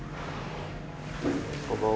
こんばんは。